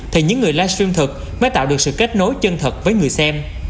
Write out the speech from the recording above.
thì những người live stream thật mới tạo được sự kết nối chân thật với người xem